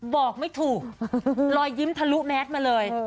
บอกไม่ถูกรอยยิ้มทะลุแมสมาเลย